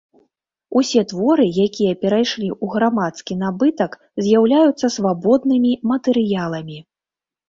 Усе творы, якія перайшлі ў грамадскі набытак, з'яўляюцца свабоднымі матэрыяламі.